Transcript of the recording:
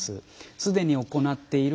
「すでに行っている」